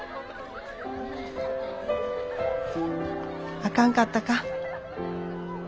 あかんかったか。